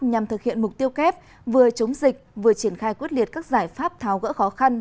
nhằm thực hiện mục tiêu kép vừa chống dịch vừa triển khai quyết liệt các giải pháp tháo gỡ khó khăn